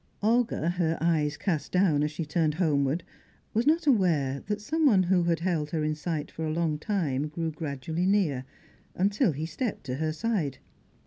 Olga, her eyes cast down as she turned homeward, was not aware that someone who had held her in sight for a long time grew gradually near, until he stepped to her side.